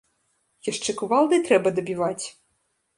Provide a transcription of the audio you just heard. Яшчэ кувалдай трэба дабіваць?